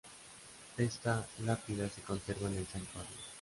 Esta lápida se conserva en el santuario.